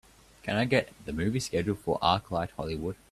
Can I get the movie schedule for ArcLight Hollywood